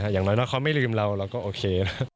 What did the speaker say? อย่างน้อยนะเขาไม่ลืมเราก็โอเค